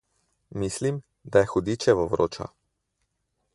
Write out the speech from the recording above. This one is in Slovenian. Mislim, da je hudičevo vroča.